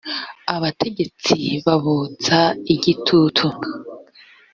abategetsi babotsa igitutu